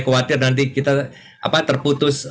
khawatir nanti kita terputus